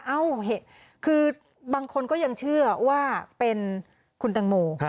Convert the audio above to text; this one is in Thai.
โอเคคือบางคนก็ยังเชื่อว่าเป็นคุณตังโม